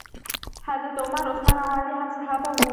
حضرت عمر، عثمان او علی هم صحابه وو.